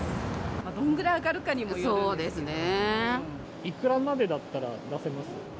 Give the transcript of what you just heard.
どんくらい上がるかにもよるいくらまでだったら出せます？